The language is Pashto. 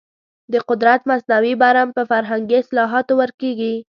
د قدرت مصنوعي برم په فرهنګي اصلاحاتو ورکېږي.